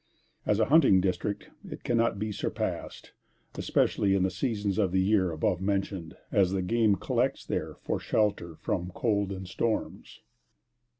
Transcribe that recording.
As a hunting district it cannot be surpassed, especially in the seasons of the year above mentioned, as the game collects there for shelter from cold and storms.